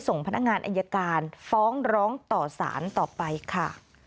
ส่งพนักงานอายการฟ้องร้องต่อสารต่อไปค่ะ